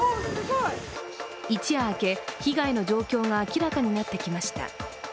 一夜明け、被害の状況が明らかになってきました。